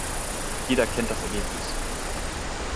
Jeder kennt das Ergebnis.